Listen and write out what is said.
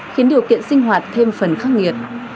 khiến điều kiện sinh hoạt thêm phần khắc nghiệt